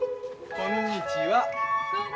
こんにちは。